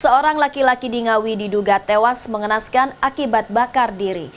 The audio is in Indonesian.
seorang laki laki di ngawi diduga tewas mengenaskan akibat bakar diri